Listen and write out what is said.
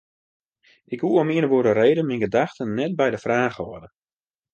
Ik koe om ien of oare reden myn gedachten net by de fraach hâlde.